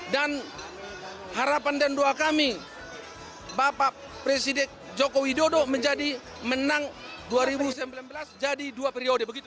dan harapan dan doa kami bapak presidik jokowi dodo menjadi menang dua ribu sembilan belas jadi dua periode begitu